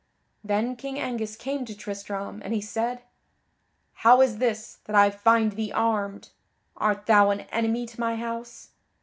Then King Angus came to Tristram, and he said: "How is this, that I find thee armed? Art thou an enemy to my house?"